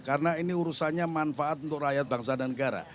karena ini urusannya manfaat untuk rakyat bangsa dan negara